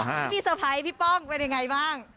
มีเซอร์ไพรส์พี่ป้องเป็นอย่างไรบ้าง